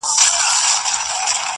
o يو ليك.